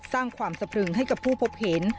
สร้างความสะพรึงให้กับผู้พบเห็น